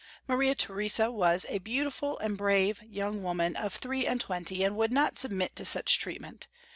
Marie Theresa was a beautiful and brave yoimg woman of three and twenty, and would not submit to such treatment.